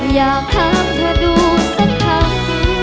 อยากถามเธอดูสักคำ